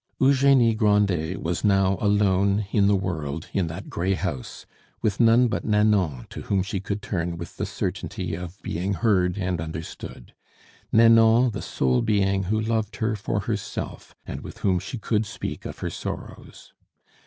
Eugenie Grandet was now alone in the world in that gray house, with none but Nanon to whom she could turn with the certainty of being heard and understood, Nanon the sole being who loved her for herself and with whom she could speak of her sorrows.